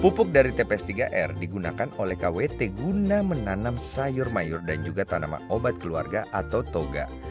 pupuk dari tps tiga r digunakan oleh kwt guna menanam sayur mayur dan juga tanaman obat keluarga atau toga